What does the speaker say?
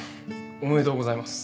おめでとうございます。